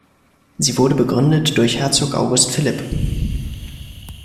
Sie wurde begründet durch Herzog August Philipp.